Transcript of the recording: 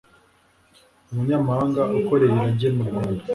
umunyamahanga ukoreye irage mu rwanda